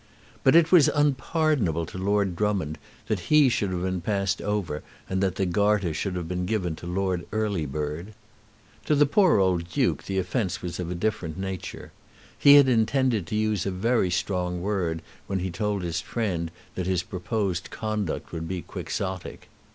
But it was unpardonable to Lord Drummond that he should have been passed over and that the Garter should have been given to Lord Earlybird. To the poor old Duke the offence was of a different nature. He had intended to use a very strong word when he told his friend that his proposed conduct would be Quixotic.